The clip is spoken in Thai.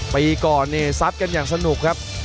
ปีก่อนเนี่ยซัดกันอย่างสนุกครับ